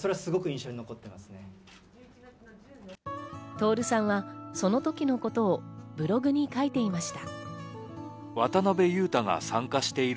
徹さんはその時のことをブログに書いていました。